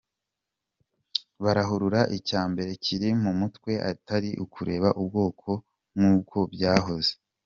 Barahura icya mbere kiri mu mutwe atari ukureba ubwoko nk’uko byahoze.